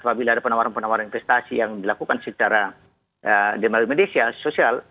apabila ada penawaran penawaran investasi yang dilakukan secara di media sosial